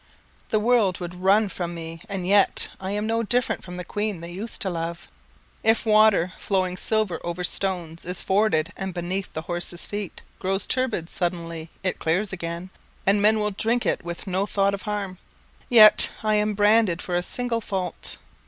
The world would run from me, and yet I am No different from the queen they used to love. If water, flowing silver over stones, Is forded, and beneath the horses' feet Grows turbid suddenly, it clears again, And men will drink it with no thought of harm. Yet I am branded for a single fault.